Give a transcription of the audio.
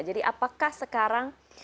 jadi apakah sekarang